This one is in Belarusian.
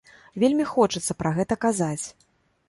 Вельмі хочацца пра гэта казаць.